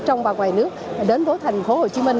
trong và ngoài nước đến với thành phố hồ chí minh